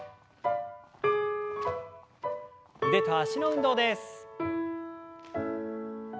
腕と脚の運動です。